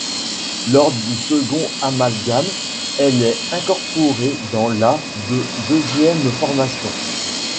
Lors du second amalgame, elle est incorporée dans la de deuxième formation.